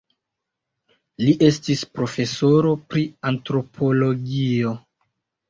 Li estis profesoro pri antropologio.